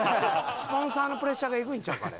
スポンサーのプレッシャーがえぐいんちゃうか？